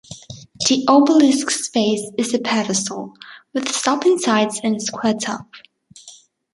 The obelisk's base is a pedestal, with sloping sides and a square top.